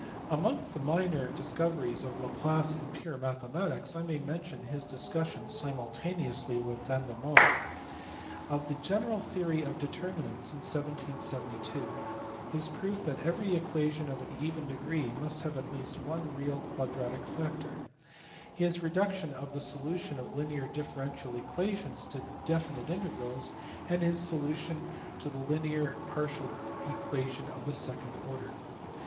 Amongst the minor discoveries of Laplace in pure mathe matics I may mention his discussion (simultaneously with Yan dermonde) of the general theory of determinants in 1772; his proof that every equation of an even degree must have at least one real quadratic factor; his reduction of the solution of linear differential equations to definite integrals ; and his solution of the linear partial differential equation of the second order.